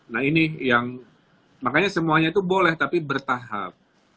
nah ini yang makanya semuanya itu boleh tapi bertahap